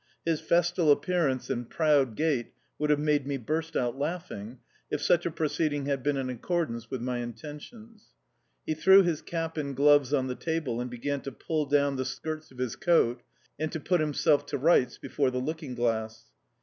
His festal appearance and proud gait would have made me burst out laughing, if such a proceeding had been in accordance with my intentions. He threw his cap and gloves on the table and began to pull down the skirts of his coat and to put himself to rights before the looking glass.